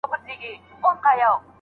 موزيم تر ټولو زيات قيمت ورکوي.